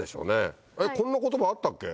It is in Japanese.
こんな言葉あったっけ？